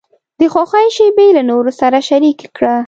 د خوښۍ شیبې له نورو سره شریکې کړه.